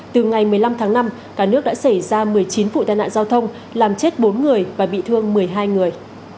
từ ngày một mươi năm tháng năm cả nước đã xảy ra một mươi chín vụ tai nạn giao thông làm chết bốn người và bị thương một mươi hai người